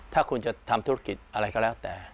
ถ้าคุณจะทำธุรกิจอะไรก็แล้วแต่